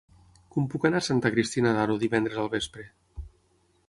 Com puc anar a Santa Cristina d'Aro divendres al vespre?